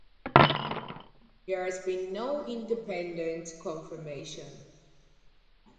There has been no independent confirmation.